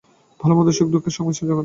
ভালমন্দ, সুখদুঃখের সংমিশ্রণই জগৎ।